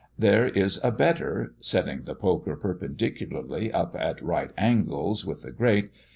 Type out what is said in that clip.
There is a better (setting the poker perpendicularly up at right angles with the grate.)